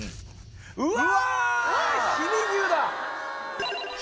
うわ！